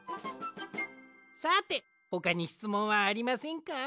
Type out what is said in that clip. さてほかにしつもんはありませんか？